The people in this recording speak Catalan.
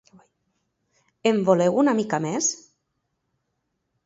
En voleu una mica més?